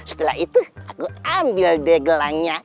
setelah itu aku ambil degelannya